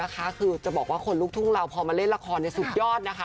คือจะบอกว่าคนลูกทุ่งเราพอมาเล่นละครสุดยอดนะคะ